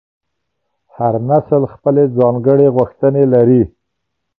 هر نسل خپلې ځانګړې غوښتنې لري.